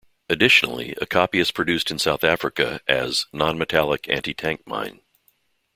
Additionally, a copy is produced in South Africa as "Non-metallic anti-tank mine".